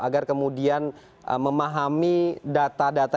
agar kemudian memahami data data yang tersebut